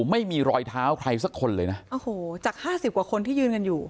ไม่มีรอยเท้าใครสักคนเลยนะโอ้โหจากห้าสิบกว่าคนที่ยืนกันอยู่